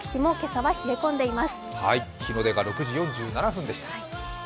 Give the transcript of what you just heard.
日の出が６時４７分でした。